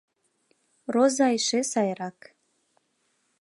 Роза эше сайырак.